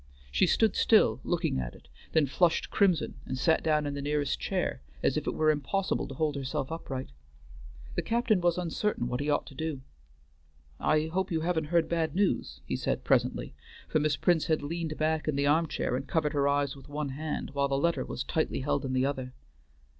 She stood still, looking at it, then flushed crimson, and sat down in the nearest chair, as if it were impossible to hold herself upright. The captain was uncertain what he ought to do. "I hope you haven't heard bad news," he said presently, for Miss Prince had leaned back in the arm chair and covered her eyes with one hand, while the letter was tightly held in the other.